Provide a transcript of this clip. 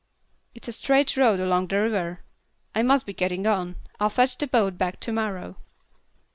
It's a straight road along the river. I must be gettin' on. I'll fetch the boat back to morrow."